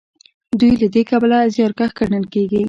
دوی له دې کبله زیارکښ ګڼل کیږي.